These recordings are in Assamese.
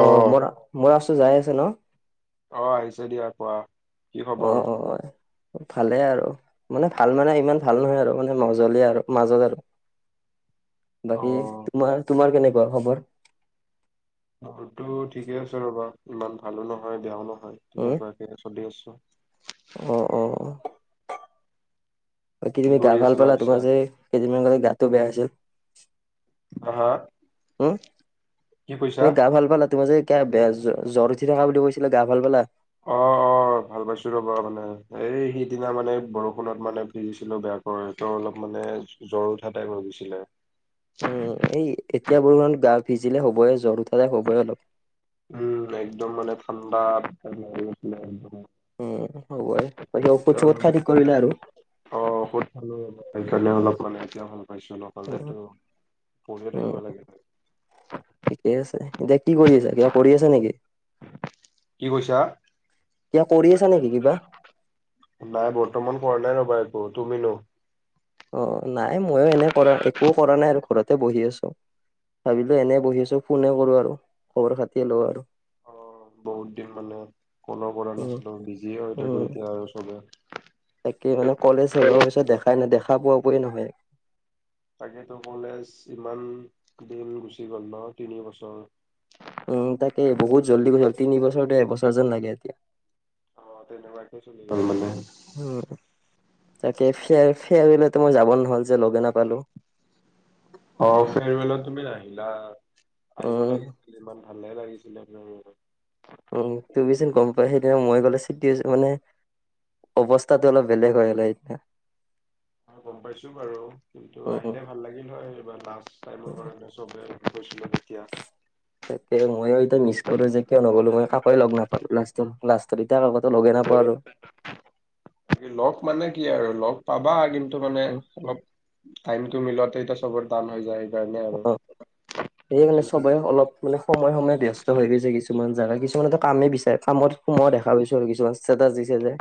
অ' মোৰ মোৰ আৱাজটো যাই আছে ন? অ', আহিছে দিয়া কোৱা। কি অ', খবৰ? অ'। ভালে আৰু, মানে ভাল মানে ইমান ভাল নহয় আৰু মানে মজলি আৰু মাজত আৰু। অ বাকী তোমাৰ, তোমাৰ কেনেকুৱা খবৰ? মোৰতো ঠিকে আছে ৰ'বা, ইমান ভালো নহয় বেয়াও নহয়, উম তেনেকুৱাকে চলি আছোঁ। অ', অ', অ'। বাকি কি তুমি গা কৰি ভাল আছিলা পালা, পিছে তোমাৰ যে কেইদিনমান লগে গাতটো বেয়া আছিল? হা হা উম? কি কৈছা? গা ভাল পালা, তোমাৰ যে এ বেয়া জ-জ্বৰ উঠি থকা বুলি কৈছিলা, গা ভাল পালা? অ', অ'। ভাল পাইছো ৰ'বা মানে, এই সিদিনা মানে বৰষুণত মানে ভুগিছিলোঁ বেয়াকৈ টো অলপ মানে জ্বৰ উঠা তেইপ হৈ গৈছিলে। উম এই এতিয়া বৰষুণত গা ভিজিলে হ'বইে জ্বৰ উঠা টাইপ হ'বইে অলপ। উম' একদম মানে ঠাণ্ডা লাগি গৈছিলে [inaudible] উম, হ'বয়ে। বাকি ঔষধ চঔষত অলপ খাই থিক কৰিলে আৰু? অ', ঔষধ খালোঁ সেইকাৰণে অলপ মানে এতিয়া ভাল পাইছোঁ অলপ। উম, উম। ঠিকেই আছে। এতিয়া কি কৰি আছা, কিবা কৰি আছা নেকি? কি কৈছা? কিবা কৰি আছা নেকি কিবা নাই বৰ্তমান কৰা নাই ৰ'বা একো, তুমিনো? অ', নাই ময়ো এনে কৰা একো কৰা নাই আৰু ঘৰতে বহি আছোঁ। ভাবিলোঁ এনে বহি আছোঁ ফোনে কৰোঁ আৰু, খবৰ খাতিয়ে লওঁ আৰু। অ', বহুত দিন মানে কল কৰা উম নাছিলোঁ বিজিয়ে হয় থাকোঁ উম এতিয়া আৰু চবে। তাকে মানে কলেজ শেষ হোৱাৰ পিছত দেখাই নাই দেখা পোৱা পোইয়ে নহয়। তাকেতো কলেজ ইমান দিন গুচি গ'ল ন তিনি বছৰ? উম, তাকে। বহুত জল্দি গূচি গ'ল, তিন বছৰটো এবছৰ যেন লাগে এতিয়া। অ', তেনেকুৱা চলি গ'ল মানে। উম, তাকে ফে-ফেয়াৰউৱেলত মই যাব নহ'ল যে লগে নাপালোঁ। অ', ফেৰৱেলত তুমি নাহিলা, আহিব উম লাগিছিল। ইমান ভালে লাগিছিলে ফেৰৱেলত। উম তুমিচোন গম পোৱা সেইদিনা মই গ'লে চিটি মানে অৱস্থাটো অলপ বেলেগ হৈ গ'ল হয় সিদিনা। গম পাইছোঁ বাৰু কিন্তু উম উম আহিলে ভাল লাগিল হয় এইবাৰ লাষ্ট টাইমৰ কাৰণে। চবে কৈছিলে তাকে ময়ো এইটো মিছ কৰোঁ যে কিয় নগলোঁ মই কাকোৱে লগ নাপালোঁ লাষ্ট টাইম। লাষ্টত এতিয়া কাকো টো ল'গে নোপোৱা হলোঁ। লগ মানে কি আৰু লগ পাবা কিন্তু মানে অলপ টাইমটো মিলাওতে এতিয়া চবৰে তান হৈ যায়। সেইকাৰণে আৰু। অ', সেই চবে অলপ মানে সময়ে-সময়ে ব্যস্ত হৈ গৈছে কিছুমান জাগা, কিছুমান এ টো কামেই বিচাৰে কামত সোমোৱা দেখা পাইছোঁ আৰু কিছুমান [unintelligible] দিছে যে।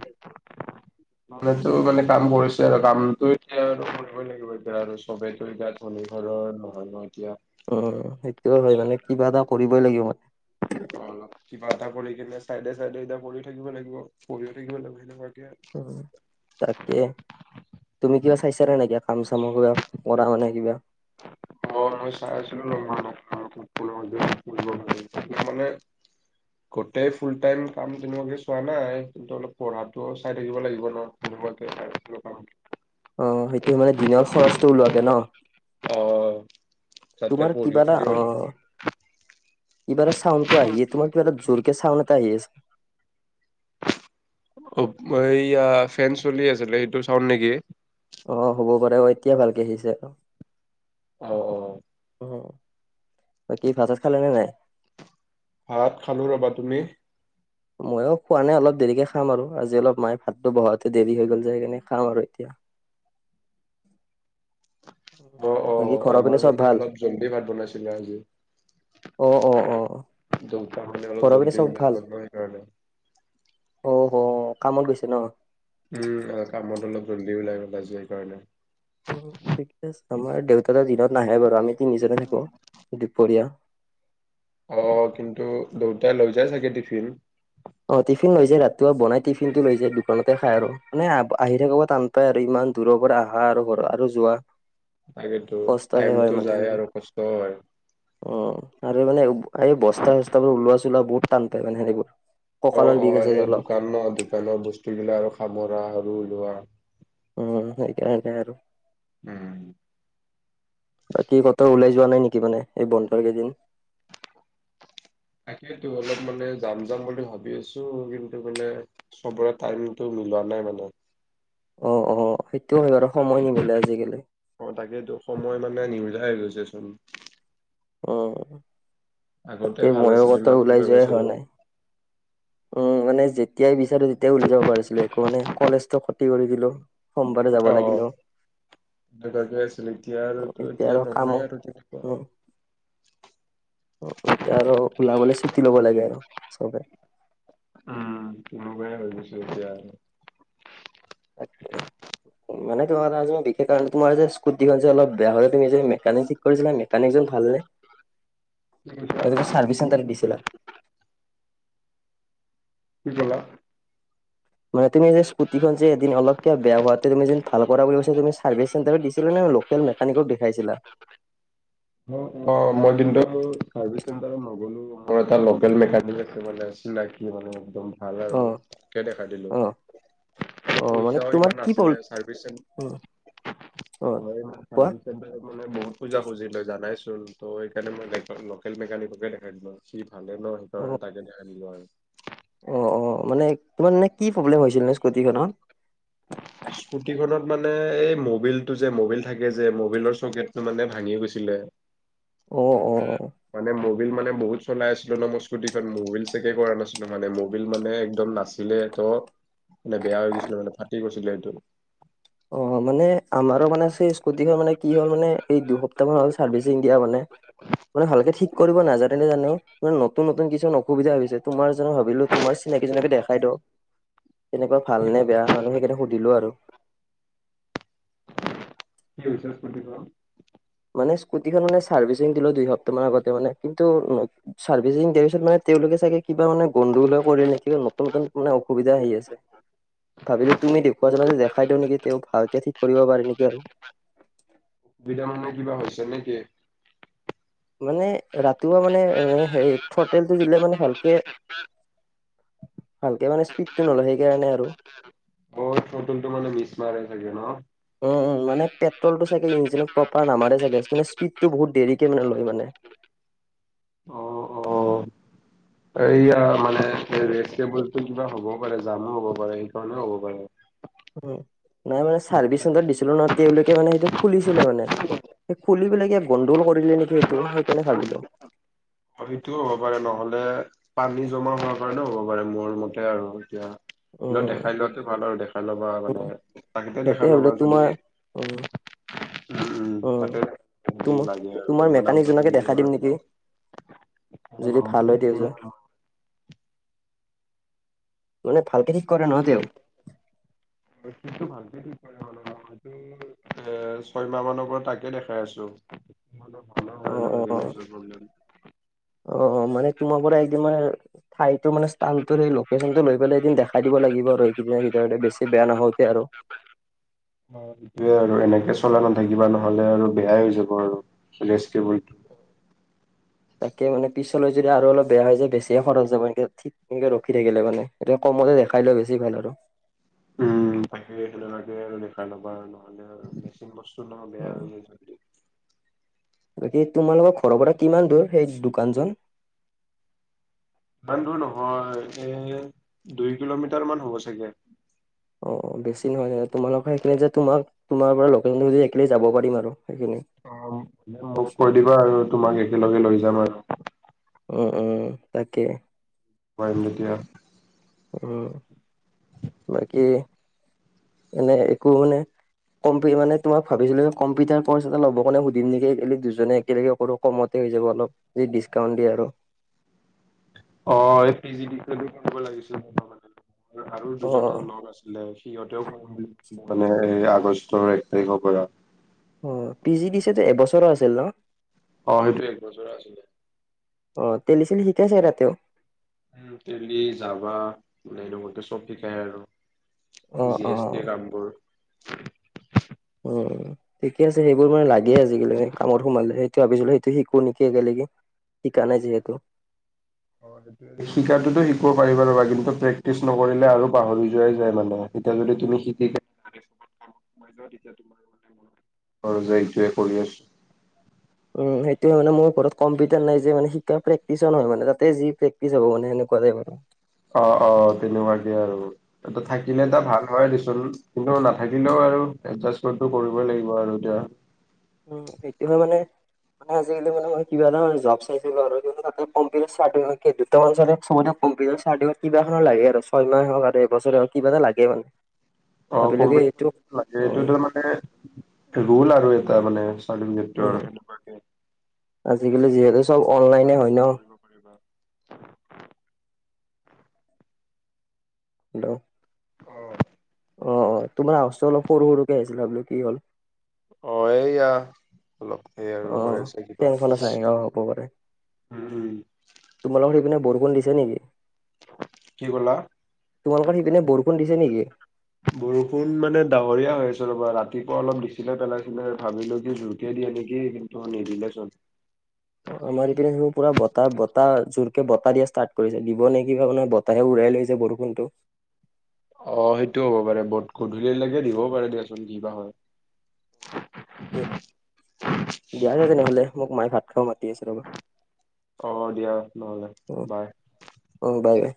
মানেতো মানে কাম কৰিছে আৰু কামতটো এতিয়া আৰু কৰিবই লাগিব, এতিয়া আৰু চবো এতিয়া ম ঘৰৰ নহয় ন এতিয়া। উম, সেইটোও হয় মানে কিবা এটা কৰিবই লাগিব মানে। অ', অলপ কিবা এটা কৰি কিনে চাইডে-চাইডে এতিয়া কৰিও থাকিব লাগিব পঢ়িও থাকিব লাগিব সনেকুৱাকে আৰু। উম। তাকে। তুমি কিবা চাইছা নে নেকিয় কাম চামৰ কিবা পঢ়া শুনা কিবা? অ', মই চাই আছিলোঁ [unintelligible] মানে গোটেই ফুল টাইম কাম তেনেকুৱাকে চোৱা নাই কিন্তু অলপ পঢ়াটো চাই থাকিব লাগিব ন? তেনেকুৱাকৈ চাই আছিলোঁ কাম। অ', সেইটো মানে দিনৰ খৰচটো ওলোৱাকে ন? অ যাতে তোমাৰ পঢ়িও কিবা এটা, থাকিব অ'। কিবা এটা চাউন তো আহে তোমাৰ কিবা এটা জোৰকে চাউন এটা আহি আছে। অ', এইয়া ফেন চলি আছিলে সেইটো চাউণ্ড নেকি? অ', হ'ব পাৰে অ', এতিয়াই ভালকে আহিছে অ'। অ', অ'। বাকি ভাত চাত খালা নে নাই? ভাত খালোঁ ৰবা তুমি? ময়ো খোৱা নাই অলপ দেৰিকে খাম আৰু আজি অলপ মায়ে ভাতটো বহাতে দেৰি হৈ গ'ল যে সেইকাৰণে খাম আৰু এতিয়া। [inaudible] মই বাকী অ', ঘৰৰ পিনে আমাৰ চব মানে ভাল? অলপ জলদি ভাত বনাইছিলে আজি। অ', অ', অ'। দেওঁতা মানে অলপ ঘৰৰ পিনে জল্দি চব ওলাই ভাল? গল ন সেইকাৰণে। অ', হ, কামত গৈছে ন? উম, কামত অলপ জলদিওলাই গ'ল আজি সেইকাৰণে। ঠিকে আছে আমাৰ দেওঁতা দিনত নাহে বাৰু আমি তিনিজনে থাকো, দুপৰীয়া। অ', কিন্তু দেওঁতাই লৈ যাই চাগে টিফিন? অ', টিফিন লৈ যায় ৰাতিপুৱা বনাই টিফিন টো লৈ যায় দোকানতে খাই আৰু, মানে আহি থাক টান আৰু ইমান দূৰৰ পৰা আহা আৰু ঘৰ আৰু যোৱা। তাকেতো কষ্টহে টাইমতটো যায় আৰু কষ্টও হয়। উম, আৰু মানে এই বস্তা চস্তা বোৰ ওলোৱা চোলোৱা বহুত টান পায় মানে হেৰীবোৰ। অ', অ', এই দোকান ন, দোকানৰ বস্তু বিলাক আৰু হামুৰা আৰু ওলোৱা। উম, সেইকাৰনে আৰু। উম। বাকী ক, তই ওলাই যোৱা নাই নেকি মানে এই বন্ধৰ কেইদিন? তাকেইেতো অলপ মানে যাম-যাম বুলি ভাবি আছোঁ, কিন্তু মানে সবোৰে টাইমতটো মিলা নাই মানে। অ', অ', সেইটো হয় বাৰু সময় নিমিলে আজিকালি। অ', তাকেইতো সময় মানে নিউলাই হৈ গৈছে চোন। অ', আগতে এই ভাল মইও আছিল কতো ইমান ওলাই সময় যোৱাই হোৱা পাইছিলো নাই। উম, মানে যেতিয়াই বিচাৰোঁ তেতিয়াই উলাই যাব পাৰিছিলো একো মানে কলেজটো ক্ষতি কৰি দিলোঁ। অ', অ', [unintelligible] আছিল এতিয়া আৰু টো এতিয়া আৰু কামো নহয়ে আৰু তেনেকুৱা। অ', এতিয়া আৰু ওলাবলে চুতি ল'ব লাগে আৰু চবে। নোলোৱাই হৈ গৈছে এতিয়া আৰু। তাকে। মানে তোমাৰ আজি মই বি কেই টাৱাৰ তোমাৰ যে ইস্কুটিখন যে অলপ বেয়া হওঁতে তুমি যে মেকানিক মেকানিক জন ভাল নে? কি কৈছা? তুমি চাৰ্ভিচ চেন্টা দিছিলা? কি কলা? মানে তুমি যে স্কুটিখন যে এদিন অলপকে বেয়া হোৱাতে তুমি যেন ভাল বুলি কৈছা তুমি চাৰ্ভিছ চেণ্টাৰৰ দিছিলা নে বোলোঁ? কেল মেকানিকক দেখাইছিলা? উম অ' সময় দিনটো [unintelligible] চাৰ্ভিচ চেন্টাৰত নগলো মই। মোৰ এটা লোকেল মেকানিক আছে মানে চিনাকি মানে একদম ভাল আৰু অ', তাকে দেখাই দিলোঁ। অ', অ', মানে পইচাও তোমাৰ ইমান নাছিলে, চাৰ্ভিচ চেণ্টাৰ কত? চাৰ্ভিচ চেন্টাৰত মানে বহুত খোজা খুজিল হয় জানাই চোন। ত সেইকাৰণে মই লোকেল মেকানিককে দেখাই দিলোঁ আৰু। সি ভালে ন অ', সেইকাৰণে তাকে দেখাই দিলোঁ আৰু। অ', অ', মানে তোমাৰ মানে কি প্ৰব্লেম হৈছিল নু স্কুটিখনৰ? স্কুটিখনত মানে এই মবিল টো যে মবিল থাকে যে মবিলৰ চকেটটো মানে ভাঙি গৈছিলে। অ', অ', অ'। মানে মবিল মানে বহুত চলাই আছিলো ন মোৰ স্কুটিখন মবিল চেকে কৰা নাছিলো মানে মবিল মানে একদম নাছ ছিলে ত' মানে বেয়া হৈ গৈছিলে মানে ফাটি গৈছিলে এইটো। অ', মানে আমাৰো মানেই স্কুটিখন মানে কি হ'ল মানে এই দুসপ্তাহ মান হ'ল চাৰ্ভিচিং দিয়া মানে। মানে ভালকে ঠিক কৰিব নাজানেনে জানো, মানে নতুন- নতুন কিছুমান অসুবিধা হৈছে তোমাৰ [unintelligible] ভাবিলো তোমাৰ চিনাকীজনকে দেখাই দিওঁ, তেনেকুৱা ভাল নে বেয়া মানুহ সেইকাৰণে সুধিলো আৰু। [unintelligible] মানে স্কুটিখন মানে চাৰ্ভিচিং দিলো দুই সপ্তাহমান আগতে মানে, কিন্তু ছাৰ্ভিচিং দিয়াৰ পিছত মানে তেওঁলোকে চাগে কিবা মানে গণ্ডগোলে কৰিল নেকি নতুন-নতুন মানে অসুবিধা আহি আছে। ভাবিলো তুমি দেখুৱাজনকে দেখাই দিওঁ নেকি তেওঁক ভালকে ঠিক কৰিব পাৰে নেকি আৰু। অসুবিধা মানে কিবা হৈছে নে কি। মানে ৰাতিপুৱা মানে হেৰি [unintelligible] দিলে মানে ভালকে ভালকে মানে স্পীডটো নলয়, সেইকাৰণে আৰু। নতুনটো মানে মিছ [unintelligible] থাকে ন। উম, উম, মানে পেট্ৰলটো চাগে ইঞ্জিনত প্ৰপাৰ নামাৰে চাগে, মানে স্পীডটো বহুত দেৰিক মানে লয় মানে। অ অ এইয়া মানে ৰেচ [unintelligible] টো কিবা হ'বও পাৰে জামো হ'ব পাৰে, সেই কাৰণেও হ'ব পাৰে। উম, নাই মানে চাৰ্ভিচ নহ'লে চেণ্টাৰত দিছিলো ন, তেওঁলোকে মানে সেইটো খুলিছিলে মানে। সেই খুলি পেলাই কিবা গণ্ডগোল কৰিলে নেকি সেইটো, সেইকাৰণে ভাবিলোঁ। অ', সেইটোও হ'ব পাৰে নহ'লে পানী জমা হোৱা কাৰণেও হ'ব পাৰে মোৰ মতে আৰু এতিয়া। হ'লেও উম দেখাই লোৱাতোৱে ভাল আৰু দেখাই ল'বা মানে [unintelligible] দেখাই ল'বা যদি অ'। উম, উম, তাতে তোমাৰ [unintelligible] লাগে আৰু তোমাৰ মই নাম মেকানিকজনকে [unintelligible] দি দেখাই দিম আৰু নেকি তোমাক। মোৰ যদি ভাল নাম্বাৰটো হয় দি দিম [unintelligible] আৰু মানে ভালকে ঠিক কৰে ন তেওঁ। [unintelligible] টো ভালকে ঠিক কৰে মা [unintelligible] এ ছয়মাহ মানৰ পৰা তাকে দেখাই আছো। অ অ অ [unintelligible] অ', অ', মানে তোমাৰ পৰা এই [unintelligible] ঠাইতো মানে স্থানটোৰ এই লোকেচনটো লৈ পেলাই এদিন দেখাই দিব লাগিব আৰু এইকেইদনৰ ভিতৰতে বেছি বেয়া নহওঁতে আৰু। [inaudible] অ', সেইটোয়ে আৰু এনেকে চলাই নাথাকিবা নহ'লে আৰু বেয়াই হৈ যাব আৰু ৰেষ্ট কেবলটো। তাকে মানে পিছলৈ যদি আৰু অলপ বেয়া হৈ যায় বেছিয়ে খৰচ যাব এনেকে ঠিক তেনেকে ৰখি থাকিলে মানে। এতিয়া কমতে দেখাই লৈ বেছি ভাল আৰু। উম, বাকী তেনেকুৱাকে আৰু দেখাই ল'বা আৰু নহ'লে আৰু মেচিন বস্তু নহয় বেয়া উম হৈ যায় জল্দি। বাকী তোমালোকৰ ঘৰৰ পৰা কিমান দূৰ সেই দোকানজন। ইমান দূৰ নহয়, এ দুই কিলোমিটাৰ মান হ'ব চাগে। অ', বেছি নহয় মানে তোমালোকৰ সেইখিনি যে তোমাক তোমাৰ পৰা লোকেল একেলগে যাব পাৰিম আৰু সেইখিনি। অ', ম মোক কৈ দিবা আৰু তোমাক একেলগে লৈ যাম আৰু। উম, উম, তাকে। পাৰিম এতিয়া। উম, বাকী এনে একো মানে‌ কম্পি মানে তোমাক ভাবিছিলোঁ যে কম্পিউটাৰ ক'ৰ্ছ এটা ল'ব কাৰণে সুধিম নেকি [unintelligible] দুজনে একেলগে কৰো কমতে হৈ যাব অলপ, যদি ডিছকাউণ্ট দিয়ে আৰু। অ', [unintelligible] আৰু অ দুজনৰ লগ আছ মানে সিহতেওঁ [unintelligible] মানে এই আগষ্টৰ এক তাৰিখৰ পৰা। অ', P G D C A টো এবছৰৰ আছিল ন? অ', সেইটো এক বছৰে আছিলে। অ', তেলী চিলি শিকাইছে তাতেউ? উম, তেলী, যাভা, মানে [unintelligible] চব শিকাই আৰু। অ জি অ সেই কাম বোৰ। উম, ঠিকে আছে সেইবোৰ মানে লাগে আজিকালি কামত সোমালে সেইটো ভাবিছিলোঁ শিকো নেকি একেলেগে, শিকা নাই যিহেতু? অ', সেইটোৱে। শিকাতোতো শিকিব পাৰিবা ৰ'বা কিন্তু প্ৰেক্টিচ নকৰিলে আৰু পাহৰি যোৱাই যায় মানে এতিয়া যদি তুমি শিকা [inaudible] কৰি আছোঁ। উম, সেইটোৱেই মানে মোৰ ঘৰত কম্পিউটাৰ নাই যে মানে শিকা প্ৰেক্টিচ নহয় মানে তাতে যি প্ৰেক্টিচ হ'ব মানে সেনেকোৱা টাইপ আৰু। অ', অ', তেনেকুৱাকে আৰু। এটা থাকিলে এটা ভাল হয় দেচোন। কিন্তু নাথাকিলেও আৰু এডজাষ্টমেটটো কৰিবই লাগিব আৰু এতিয়া। উম, সেইটোহে মানে মানে আজিকালি মান মই কিবা এটা জব চাইছিলোঁ আৰু, তাতে কম্পিউটাৰ চাৰ্টিফিকেট [unintelligible] বৰ্তমান [unintelligible] ছবতে কম্পিউটাৰ চাৰটিফিকেট কিবা এখন লাগে আৰু চয় মহে হওঁক আৰু এবছৰে হওঁক কিবা এটা লাগে মানে। [inaudible] অ', কি কম্পিটিন এইটো [inaudible] লাগে এইটো উম তাৰ মানে ৰোল আৰু এটা মানে। উম, হেতু আৰু উম হেনেকুৱাকে। আজিকালি যিহেতু চাৰ্টিফিকেট চব দিলে হে অনলাইনে কাম হয় ন। টো কৰিব কৰিব [inaudible] হেল্ল'? অ'। অ', অ', তোমাৰ আৱাজ টো অলপ সৰু-সৰুকে আহিছিলে বোলোঁ কি হ'ল। অ', এইয়া। অলপ সেই আৰু অ হৈ আছে কিবা, ফেনখন আছে অ হ'ব পাৰে উম। তোমালোকৰ সেইপিনে বৰষুণ দিছে নেকি? কি ক'লা? তোমালোকৰ সিপিনে বৰষুণ দিছে নেকি? বৰষুণ মানে ডাৱৰীয়া হৈ আছে ৰবা ৰাতিপুৱা অলপ দিছিলে পেলাইছিলে ভাবিছিলোঁ কি জুই [unintelligible] দিয়ে নেকি কিন্তু নিদিলে চুন। অ', আমাৰ ইপিনে পুৰা বতাহ-বতাহ জোৰকে বতাহ দিয়া ষ্টাৰ্ট কৰিছে দিব নেকি কাৰনে উৰাই লৈ যাই বৰষুণতটো। অ', সেইটোও হ'ব পাৰে বহুত গধূলিলৈকে দিবও পাৰে দিয়াচোন কি বা হয়? উ [unintelligible] দিয়া তে তেনেহ'লে, মোক মায়ে ভাত খাব মাতি আছে ৰবা। অ', দিয়া। নহলে, অ', বাই। অ', বাই-বাই।